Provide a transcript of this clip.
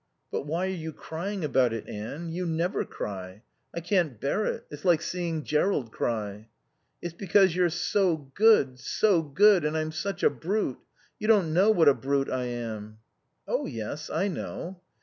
"But why are you crying about it, Anne? You never cry. I can't bear it. It's like seeing Jerrold cry." "It's because you're so good, so good, and I'm such a brute. You don't know what a brute I am." "Oh yes, I know."